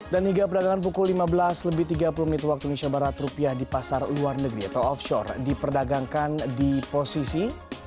dan hingga perdagangan pukul lima belas lebih tiga puluh menit waktu indonesia barat rupiah di pasar luar negeri atau offshore diperdagangkan di posisi